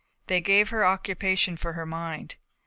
They gave her occupation for her mind.